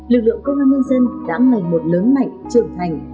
lực lượng công an nhân dân đã ngày một lớn mạnh trưởng thành